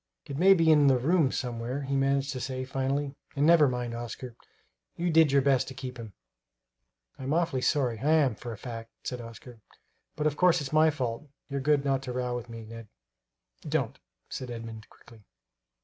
"It may be in the rooms somewhere," he managed to say finally; "and never mind, Oscar, you did your best to keep him." "I'm awful sorry, I am, for a fact," said Oscar; "but of course it's my fault. You're good not to row me, Ned!" "Don't!" said Edmund quickly.